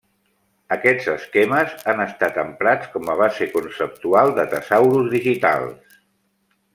Aquests esquemes han estat emprats com a base conceptual de tesaurus digitals.